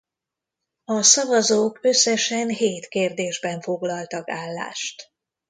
A szavazók összesen hét kérdésben foglaltak állást.